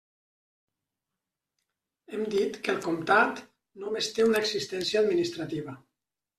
Hem dit que el comtat només té una existència administrativa.